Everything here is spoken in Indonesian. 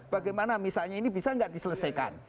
bagaimana misalnya ini bisa nggak diselesaikan